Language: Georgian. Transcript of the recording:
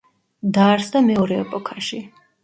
დაარსდა მეორე ეპოქაში.